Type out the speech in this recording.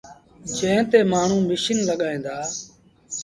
جݩهݩ تي مآڻهوٚݩ ميٚشيٚن لڳائيٚݩ دآ۔